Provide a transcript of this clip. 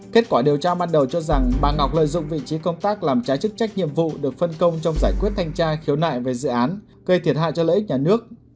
kết quả điều tra ban đầu cho rằng bà ngọc lợi dụng vị trí công tác làm trái chức trách nhiệm vụ được phân công trong giải quyết thanh tra khiếu nại về dự án gây thiệt hại cho lợi ích nhà nước